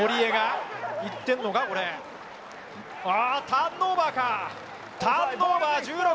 ターンオーバーか。